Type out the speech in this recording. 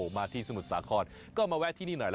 มาที่สมุทรสาครก็มาแวะที่นี่หน่อย